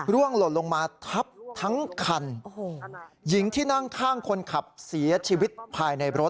หล่นลงมาทับทั้งคันหญิงที่นั่งข้างคนขับเสียชีวิตภายในรถ